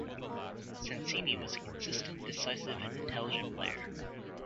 Sensini was a consistent, decisive, and intelligent player.